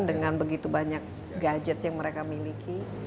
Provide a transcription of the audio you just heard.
dengan begitu banyak gadget yang mereka miliki